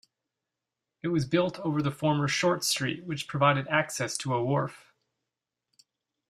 It was built over the former Short Street which provided access to a wharf.